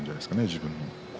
自分のね。